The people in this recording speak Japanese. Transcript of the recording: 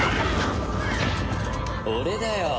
俺だよ。